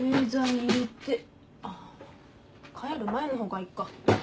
ああ帰る前の方がいっか。